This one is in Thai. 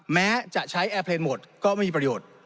แม้จะใช้แอร์เพลงหมดก็ไม่มีประโยชน์